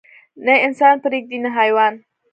نه انسان پرېږدي نه حيوان.